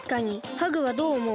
ハグはどうおもう？